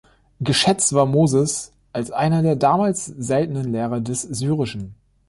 Geschätzt war Moses als einer der damals seltenen Lehrer des Syrischen.